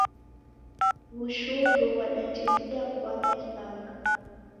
W'ushuru ghwadatesia kuagha isanga.